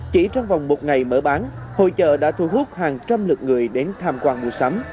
chỉ trong vòng một ngày mở bán hội chợ đã thu hút hàng trăm lượt người đến tham quan mua sắm